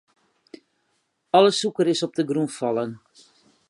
Alle sûker is op de grûn fallen.